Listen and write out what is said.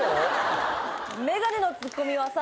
眼鏡のツッコミはさ